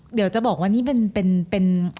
เดี๋ยวจะบอกว่านี่มันเป็น